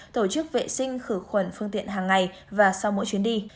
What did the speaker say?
tổ chức vệ sinh khử khuẩn phương tiện hàng ngày và sau mỗi chuyến đi